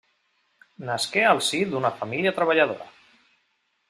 Nasqué al si d'una família treballadora.